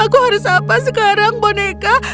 aku harus apa sekarang boneka